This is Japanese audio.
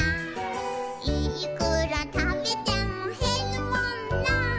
「いーくらたべてもへるもんなー」